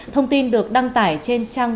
thông tin được đăng tải trên trang bốn